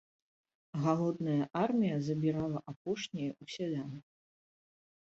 Галодная армія забірала апошняе ў сялян.